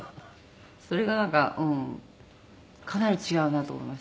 それがなんかかなり違うなと思いました。